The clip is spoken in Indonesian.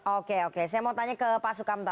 oke oke saya mau tanya ke pak sukamto